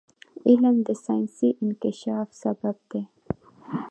علم د ساینسي انکشاف سبب دی.